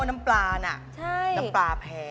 ออกทะเลค่ะ